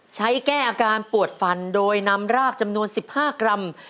ใช้แก้อาการปวดฟันโดยนำรากจำนวน๑๕กรัม